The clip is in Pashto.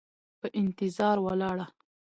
په انتظار ولاړه